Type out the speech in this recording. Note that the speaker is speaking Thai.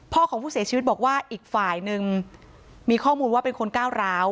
ของผู้เสียชีวิตบอกว่าอีกฝ่ายนึงมีข้อมูลว่าเป็นคนก้าวร้าว